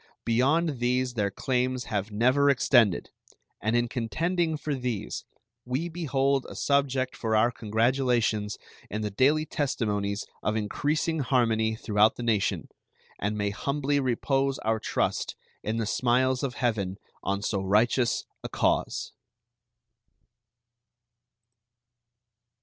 Beyond these their claims have never extended, and in contending for these we behold a subject for our congratulations in the daily testimonies of increasing harmony throughout the nation, and may humbly repose our trust in the smiles of Heaven on so righteous a cause.